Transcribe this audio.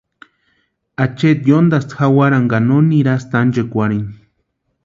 Acheeti yóntasti jawarani ka no nirasti ánchekwarheni.